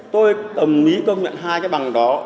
tôi tầm nghĩ công nhận hai cái bằng đó